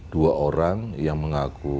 dua orang yang mengaku